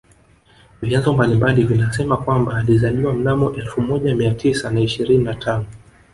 Vyanzo mbalimbali vinasema kwamba alizaliwa mnamo elfu moja Mia tisa na ishirini na tano